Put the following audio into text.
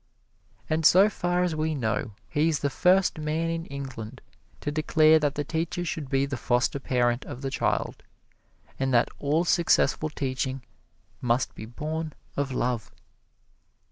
And so far as we know, he is the first man in England to declare that the teacher should be the foster parent of the child, and that all successful teaching must be born of love.